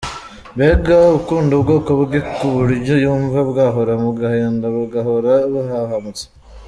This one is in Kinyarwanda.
Mbega akunda ubwoko bwe ku buryo yumva bwahora mu gahinda bugahora buhahamutse.